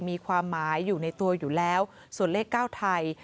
มีความหมายอยู่ในตัวอยู่แล้วส่วนเลข๙ไทย